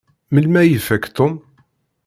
Melmi ay ifaq Tom?